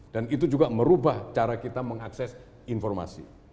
dan itu juga merubah cara kita mengakses informasi